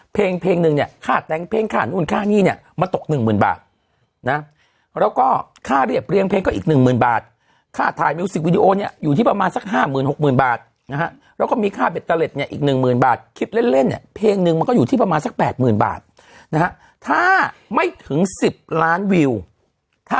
เพลงเพลงหนึ่งเนี่ยค่าแต่งเพลงค่านู่นค่านี่เนี่ยมันตกหนึ่งหมื่นบาทนะแล้วก็ค่าเรียบเรียงเพลงก็อีกหนึ่งหมื่นบาทค่าถ่ายมิวสิกวิดีโอเนี่ยอยู่ที่ประมาณสักห้าหมื่นหกหมื่นบาทนะฮะแล้วก็มีค่าเบ็ตเตอร์เล็ตเนี่ยอีกหนึ่งหมื่นบาทคิดเล่นเล่นเนี่ยเพลงนึงมันก็อยู่ที่ประมาณสักแปดหมื่นบาทนะฮะถ้าไม่ถึง๑๐ล้านวิวถ้า